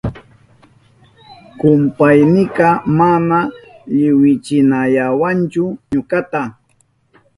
Kumpaynika mana liwichinayawanchu ñukata.